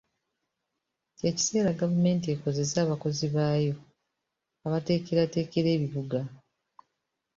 Kye kiseera gavumenti ekozese abakozi baayo abateekerateekera ebibuga.